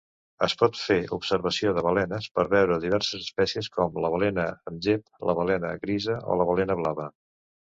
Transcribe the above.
Es pot fer observació de balenes per veure diverses espècies, com la balena amb gep, la balena grisa o la balena blava.